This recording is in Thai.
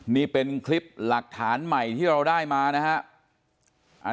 นี่เป็นคลิปหลักฐานใหม่ที่เราได้มานะครับ